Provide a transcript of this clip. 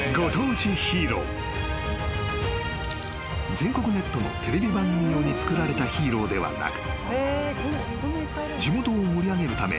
［全国ネットのテレビ番組用に作られたヒーローではなく］